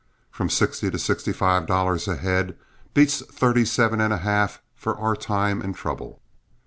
From sixty to sixty five dollars a head beats thirty seven and a half for our time and trouble."